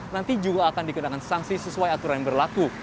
nanti juga akan dikenakan sanksi sesuai aturan yang berlaku